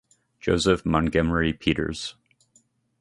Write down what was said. Joseph Montgomery Peters.